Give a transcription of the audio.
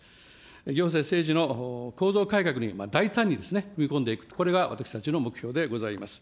行政、政治の構造改革に、大胆に踏み込んでいく、これが私たちの目標でございます。